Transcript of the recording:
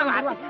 senang saja ya